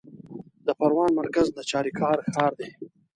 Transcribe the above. د پروان مرکز د چاریکارو ښار دی